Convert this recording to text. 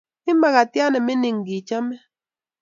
Iib makatiat nemining ngichaame